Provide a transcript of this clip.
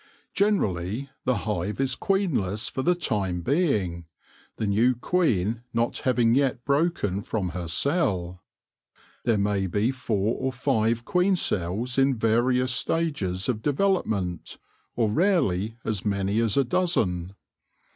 Generally the hive is queenless for the time being, the new queen not having yet broken from her cell. There may be four or five queen cells in various stages of development, or rarely as many as a dozen.